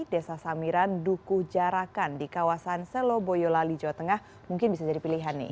desa samiran duku jarakan di kawasan seloboyola lijau tengah mungkin bisa jadi pilihan nih